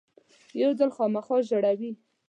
یو ځل خامخا ژړوي .